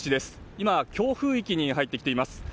今、強風域に入ってきています。